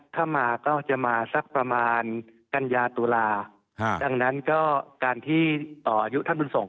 ถ้ามาก็จะมาสักประมาณกัญญาตุลาดังนั้นก็การที่ต่ออายุท่านบุญส่ง